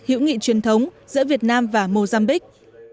hữu nghị truyền thống giữa việt nam và mozambique